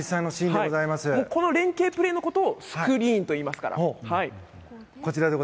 この連係プレーのことをスクリーンといいますから。